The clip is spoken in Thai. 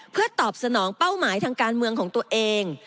เพื่อตอบสนองเป้าหมายทางการเมืองของตัวเอง